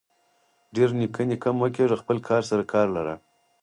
ډير نيکه نيکه مه کيږه خپل کار سره کار لره.